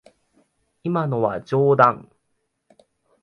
今のは冗談。